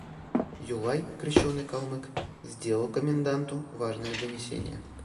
Юлай, крещеный калмык, сделал коменданту важное донесение.